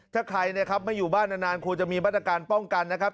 ถ้าใครไม่อยู่บ้านนานควรจะมีบรรดาการป้องกันนะครับ